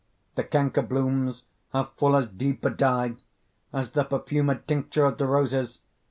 The canker blooms have full as deep a dye As the perfumed tincture of the roses.